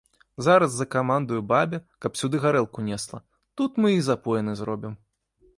Зараз закамандую бабе, каб сюды гарэлку несла, тут мы і запоіны зробім.